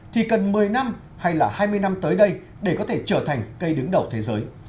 thì cần một mươi năm hay là hai mươi năm tới đây để có thể trở thành cây đứng đầu thế giới